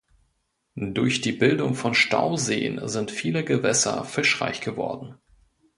Durch die Bildung von Stauseen sind viele Gewässer fischreich geworden.